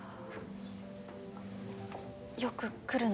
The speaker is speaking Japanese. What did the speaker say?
よく来るの？